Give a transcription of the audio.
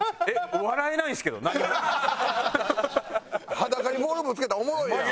裸にボールぶつけたらおもろいやん。